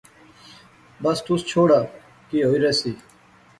بس تس چھوڑا، کی ہوئی رہسی